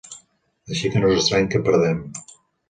Així que no és estrany que perdem.